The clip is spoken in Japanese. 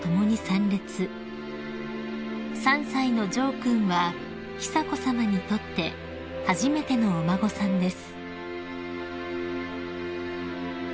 ［３歳の穣君は久子さまにとって初めてのお孫さんです］